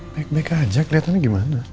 baik baik saja keliatannya gimana